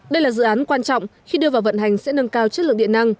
đây là dự án quan trọng khi đưa vào vận hành sẽ nâng cao chất lượng điện năng